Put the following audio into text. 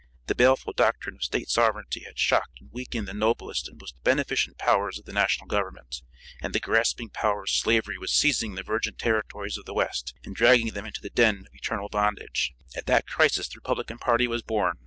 The baleful doctrine of State sovereignty had shocked and weakened the noblest and most beneficent powers of the national government, and the grasping power of slavery was seizing the virgin territories of the West and dragging them into the den of eternal bondage. At that crisis the Republican party was born.